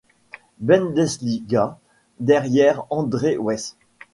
Bundesliga derrière André Weis.